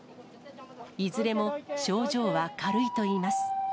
いずれも症状は軽いといいます。